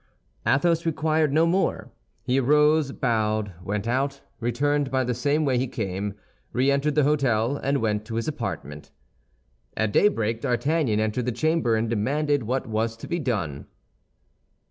Athos required no more. He arose, bowed, went out, returned by the same way he came, re entered the hôtel, and went to his apartment. At daybreak D'Artagnan entered the chamber, and demanded what was to be done.